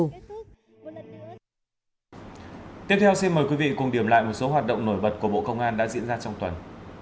tiếp theo xin mời quý vị cùng điểm lại một số hoạt động nổi bật của bộ công an đã diễn ra trong tuần